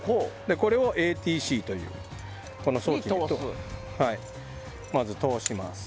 これをＡＴＣという装置に通します。